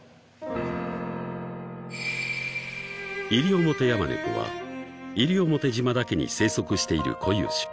［イリオモテヤマネコは西表島だけに生息している固有種］